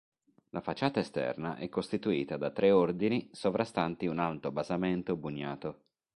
La facciata esterna è costituita da tre ordini sovrastanti un alto basamento bugnato.